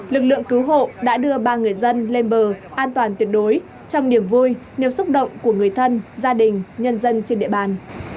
lực lượng cứu hộ đã đưa ba người dân lên bờ an toàn tuyệt đối trong niềm vui niềm xúc động của người thân gia đình nhân dân trên địa bàn